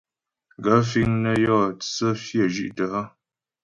Gaə̂ fíŋ nə́ yó tsə́ fyə́ zhí'tə́ hə́ ?